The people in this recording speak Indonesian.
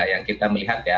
yang kita melihat ya